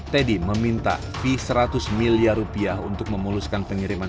teddy meminta fee seratus miliar rupiah untuk memuluskan pengiriman